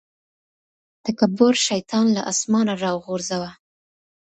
تکبر شيطان له اسمانه راوغورځاوه.